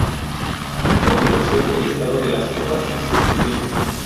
A continuación el listado de las copas y sus circuitos.